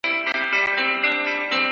د لیکلو ژبه باید له دویلو ژبې جلا وي.